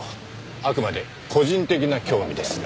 あくまで個人的な興味ですが。